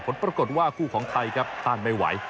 ผลปรากฏว่าคู่ของไทยครับต้านไม่ไหว